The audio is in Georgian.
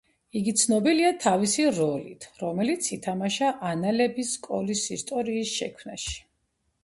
იგი ცნობილია თავისი როლით, რომელიც ითამაშა ანალების სკოლის ისტორიის შექმნაში.